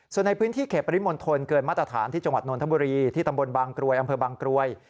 ส่วนในพื้นที่เขตปริมณฑลเกินมาตรฐานที่จังหวัดนทบุรีที่ตำบลบางกรวยอำเภอบางกรวย